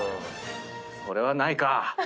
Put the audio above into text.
それはないか！